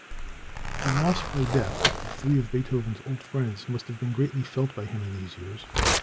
The loss by death of three of Beethoven's old friends must have been greatly felt by him in these years.